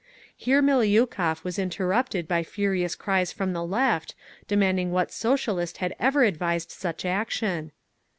Here Miliukov was interrupted by furious cries from the Left, demanding what Socialist had ever advised such action….